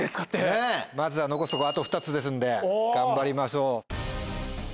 まずは残すところあと２つですんで頑張りましょう。